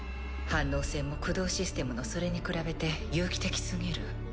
反応性も駆動システムのそれに比べて有機的すぎる。